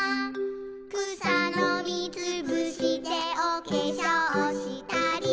「くさのみつぶしておけしょうしたり」